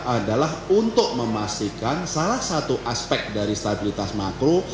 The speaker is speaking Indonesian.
adalah untuk memastikan salah satu aspek dari stabilitas makro